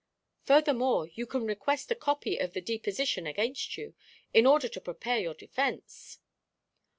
[#] Furthermore, you can request a copy of the deposition against you, in order to prepare your defence."